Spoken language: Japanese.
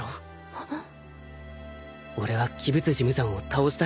あっ。